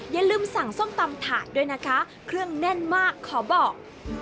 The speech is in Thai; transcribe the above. อย่าลืมสั่งส้มตำถาดด้วยนะคะเครื่องแน่นมากขอบอก